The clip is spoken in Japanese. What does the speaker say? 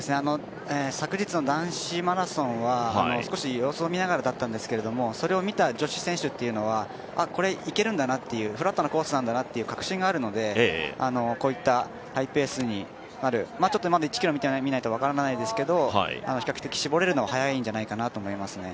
昨日の男子マラソンは少し様子を見ながらだったんですけどそれを見た女子選手っていうのはあっ、これいけるんだなっていうフラットのコースなんだなっていう確信があるのでこういったハイペースになるちょっとまだ１ｋｍを見てみないと分からないんですけど比較的、絞れるのは早いんじゃないかなと思いますね。